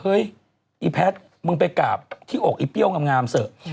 เฮ้ยอีแพทย์มึงไปกราบที่อกอีเปรี้ยวงามเถอะ